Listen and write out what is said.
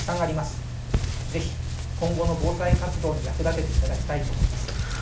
是非今後の防災活動に役立てていただきたいと思います。